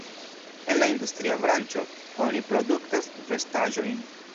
En la industria branĉo oni produktas vestaĵojn.